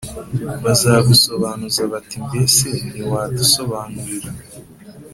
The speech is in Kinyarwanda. bazagusobanuza bati Mbese ntiwadusobanurira